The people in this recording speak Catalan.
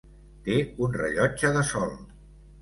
Té un rellotge de sol.